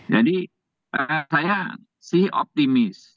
jadi saya sih optimis